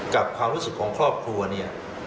ความรู้สึกของครอบครัวเนี่ย